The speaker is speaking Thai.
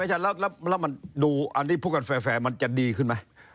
ไม่ใช่ไหมแล้วมันดูพวกเราแฟร์มันจะดีขึ้นไหม